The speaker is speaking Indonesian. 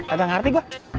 agak ngerti gua